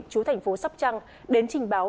chú thành phố sóc trăng đến trình báo